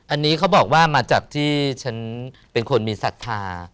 อันนี้เขาบอกว่ามาจากที่ฉันเป็นคนมีศรัทธา